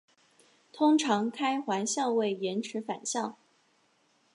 通常开环相位延迟反相。